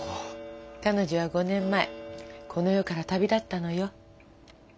彼女は５年前この世から旅立ったのよ。